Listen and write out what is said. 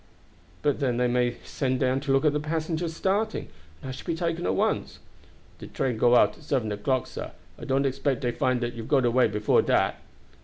"But then they may send down to look at the passengers starting, and I should be taken at once." "De train go out at seven o'clock, sah. I don't expect dey find dat you have got away before dat."